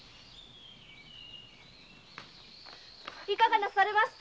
いかがなされました？